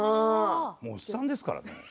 おっさんですからね。